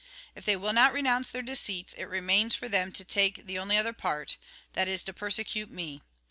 If they will not renounce their deceits, it remains 22 THE GOSPEL IN BRIEF for them to take the only other part, that is, to persecute me.